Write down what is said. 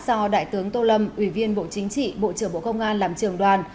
do đại tướng tô lâm ủy viên bộ chính trị bộ trưởng bộ công an làm trường đoàn